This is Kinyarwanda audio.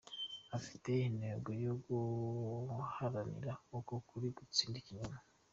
Afite intego yo guharanira ko ukuri gutsinda ikinyoma